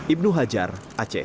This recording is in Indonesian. ibnu hajar aceh